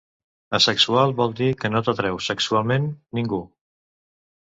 Assexual vol dir que no t'atreu sexualment ningú.